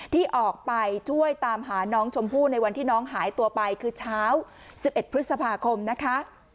ที่ออกไปช่วยตามหาน้องชมพู่ในวันที่น้องหายตัวไปคือเช้า๑๑พฤษภาคมนะคะ